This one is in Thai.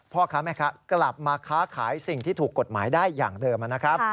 พ่อค้าแม่ค้ากลับมาค้าขายสิ่งที่ถูกกฎหมายได้อย่างเดิมนะครับ